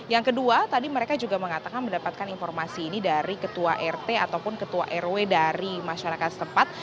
yang kedua tadi mereka juga mengatakan mendapatkan informasi ini dari ketua rt ataupun ketua rw dari masyarakat setempat